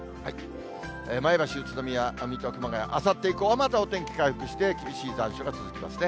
前橋、宇都宮、水戸、熊谷、あさって以降はまたお天気回復して、厳しい残暑が続きますね。